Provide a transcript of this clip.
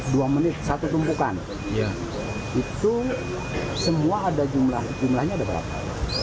dua menit satu tumpukan itu semua ada jumlahnya berapa